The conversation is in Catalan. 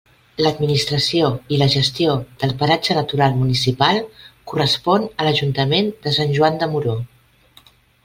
L'administració i la gestió del paratge natural municipal correspon a l'Ajuntament de Sant Joan de Moró.